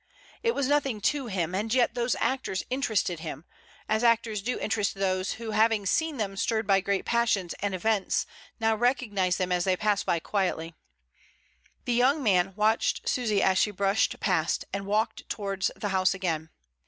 It was nothing to him, and yet the actors interested him, as actors do interest those 122 ' MRS. DYMOND. who having seen them stirred by great passions and events now recognise them as they pass by quietly. The young man watched Susy as she brushed past, and walked towards the house again.